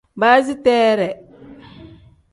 Baasiteree.